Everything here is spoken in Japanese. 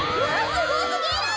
すごすぎる！